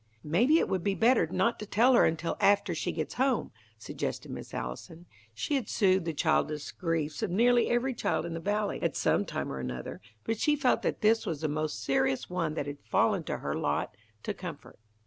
"Maybe it would be better not to tell her until after she gets home," suggested Miss Allison. She had soothed the childish griefs of nearly every child in the Valley, at some time or another, but she felt that this was the most serious one that had fallen to her lot to comfort.